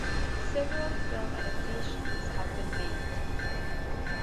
Several film adaptations have been made.